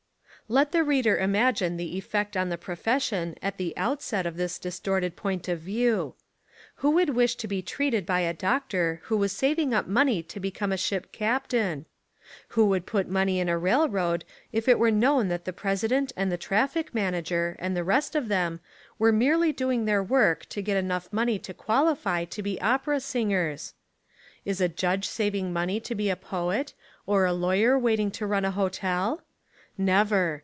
Let the reader Imagine the effect on the pro fession at the outset of this distorted point of view. Who would wish to be treated by a doctor who was saving up money to become a ship captain? Who would put money In a railroad if It were known that the president and the trafllc manager and the rest of them were merely doing their work to get enough money 173 Essays and Literary Studies to qualify to be opera singers? Is a judge sav ing money to be a poet, or a lawyer waiting to run a hotel? Never.